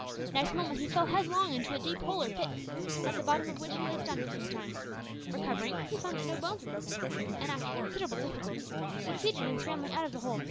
Next moment, he fell headlong into a deep hole or pit at the bottom of which he lay stunned for some time. Recovering, he found that no bones were broken, and after considerable difficulty, succeeded in scrambling out of the hole.